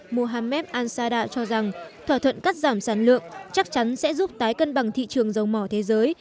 mohamed ansada cho rằng thỏa thuận cắt giảm sản lượng chắc chắn sẽ giúp tái cân bằng thị trường dầu mỏ thế giới